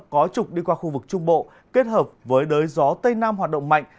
có trục đi qua khu vực trung bộ kết hợp với đới gió tây nam hoạt động mạnh